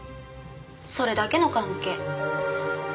それだけの関係。